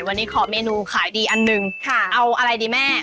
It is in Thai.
วันนี้ขอเมนูขายดีอันหนึ่งเอาอะไรดีแม่